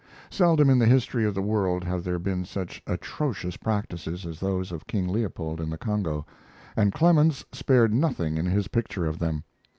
Seldom in the history of the world have there been such atrocious practices as those of King Leopold in the Congo, and Clemens spared nothing in his picture of them.